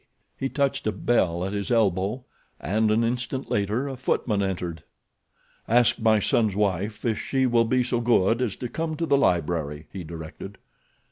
He touched a bell at his elbow, and an instant later a footman entered. "Ask my son's wife if she will be so good as to come to the library," he directed.